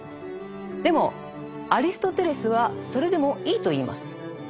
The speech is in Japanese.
でもアリストテレスはそれでもいいと言います。